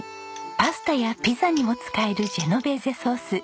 パスタやピザにも使えるジェノベーゼソース。